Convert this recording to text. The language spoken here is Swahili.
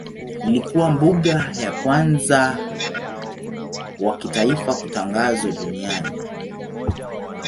Ilikuwa mbuga ya kwanza wa kitaifa kutangazwa duniani.